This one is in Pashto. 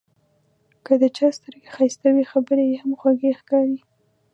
که د چا سترګې ښایسته وي، خبرې یې هم خوږې ښکاري.